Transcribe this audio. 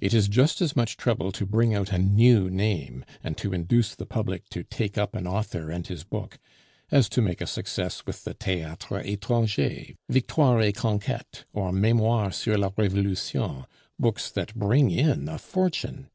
It is just as much trouble to bring out a new name and to induce the public to take up an author and his book, as to make a success with the Theatres etrangers, Victoires et Conquetes, or Memoires sur la Revolution, books that bring in a fortune.